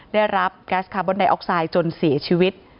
ได้รับแก๊สคาร์บอนไดออกไซด์จนเสียชีวิต